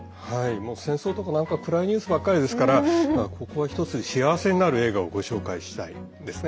戦争とか、なんか暗いニュースばっかりですからここは１つ、幸せになる映画をご紹介したいですね。